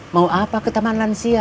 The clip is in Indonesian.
mau apa ke taman lansia